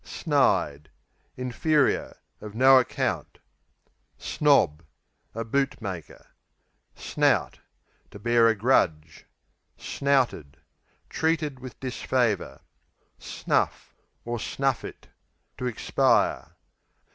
Snide Inferior; of no account. Snob A bootmaker. Snout To bear a grudge. Snouted Treated with disfavour. Snuff or snuff it To expire.